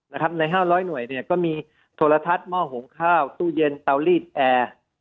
ใน๕๐๐หน่วยก็มีโทรทัศน์หม้อหงข้าวตู้เย็นเตาลีดแอร์